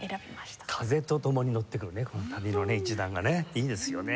風と共にのってくる旅の一団がねいいんですよね。